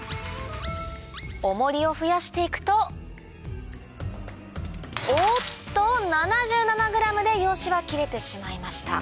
重りを増やしていくとおっと７７ｇで洋紙は切れてしまいました